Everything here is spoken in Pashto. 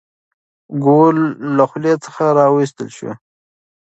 ګوله له خولې څخه راویستل شوه.